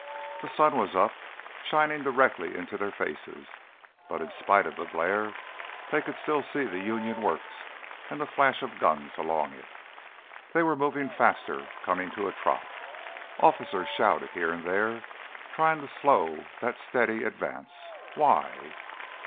The sun was up, shining directly into their faces. But in spite of the glare, they could still see the Union works and the flash of guns along it. They were moving faster, coming to a trot. Officers shouted here and there, trying to slow that steady advance why?